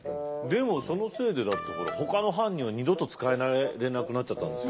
でもそのせいでだってほかの藩には二度と仕えられなくなっちゃったんでしょ。